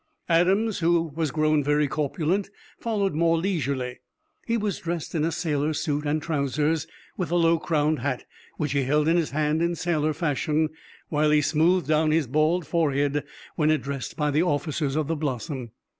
Adams, who was grown very corpulent, followed more leisurely. He was dressed in a sailor's shirt and trousers, with a low crowned hat, which he held in his hand in sailor fashion, while he smoothed down his bald forehead when addressed by the officers of the Blossom.